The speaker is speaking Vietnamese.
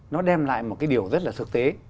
nó đem lại một cái điều rất là thực tế